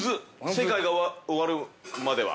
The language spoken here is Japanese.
「世界が終わるまでは」。